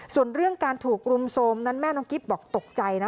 ส่วนเรื่องการถูกรุมโทรมนั้นแม่น้องกิ๊บบอกตกใจนะ